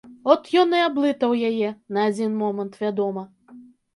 От ён і аблытаў яе, на адзін момант, вядома.